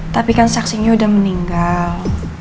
tapi kan saksinya sudah meninggal